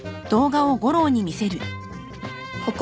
ここ。